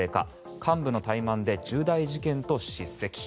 幹部の怠慢で重大事件と叱責。